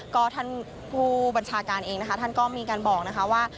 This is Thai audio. ก็ท่านผู้บัญชาการเองนะคะท่านก็มีการบอกนะคะว่า